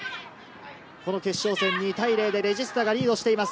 この決勝戦、２対０でレジスタがリードしています。